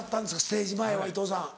ステージ前は伊藤さん。